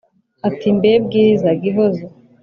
ati"mbe bwiza gihozo